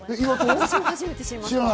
私も初めて知りました。